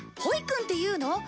ホイくんっていうの？